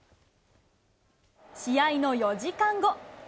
試合の４時間後。